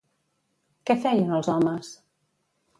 Què feien els homes?